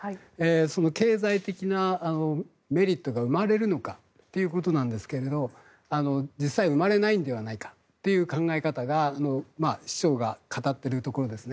経済的なメリットが生まれるのかということですが実際、生まれないのではないかという考え方が市長が語っているところですね。